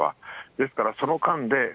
ですから、その間で。